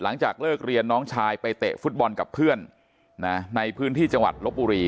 หลังจากเลิกเรียนน้องชายไปเตะฟุตบอลกับเพื่อนในพื้นที่จังหวัดลบบุรี